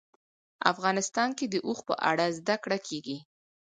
افغانستان کې د اوښ په اړه زده کړه کېږي.